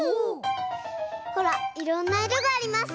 ほらいろんないろがあります。